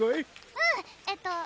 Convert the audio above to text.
うんえっと